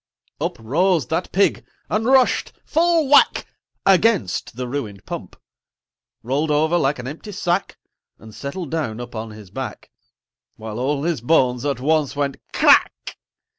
Uprose that Pig, and rushed, full whack, Against the ruined Pump: Rolled over like an empty sack And settled down upon his back While all his bones at once went "Crack!"